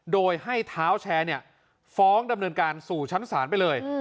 โดยให้เท้าแชร์ฟ้องดำเนินการสู่ชั้นศาลไปเลย